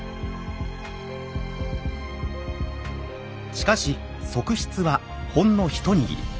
しかし側室はほんの一握り。